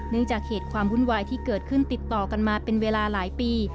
จากเหตุความวุ่นวายที่เกิดขึ้นติดต่อกันมาเป็นเวลาหลายปี